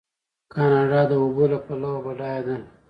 کاناډا د اوبو له پلوه بډایه ده.